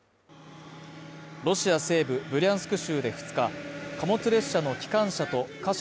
ロシア西部ブリャンスク州で２日貨物列車の機関車と貨車